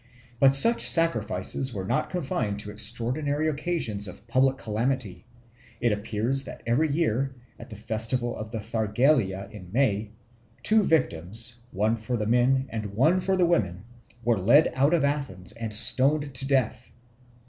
But such sacrifices were not confined to extraordinary occasions of public calamity; it appears that every year, at the festival of the Thargelia in May, two victims, one for the men and one for the women, were led out of Athens and stoned to death.